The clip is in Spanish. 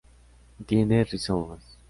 Tienen rizomas.